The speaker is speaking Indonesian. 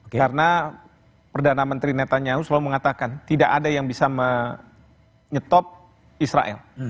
karena perdana menteri netanyahu selalu mengatakan tidak ada yang bisa menyetop israel